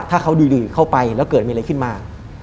ถ้าเขาดุยเข้าไปแล้วเกิดมีอะไรขึ้นมา